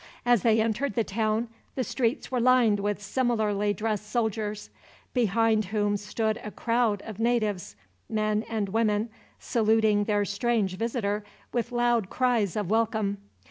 As they entered the town the streets were lined with similarly dressed soldiers; behind whom stood a crowd of natives, men and women saluting their strange visitor with loud cries of welcome.